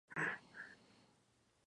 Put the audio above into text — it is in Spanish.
Vinculada a Al Qaeda.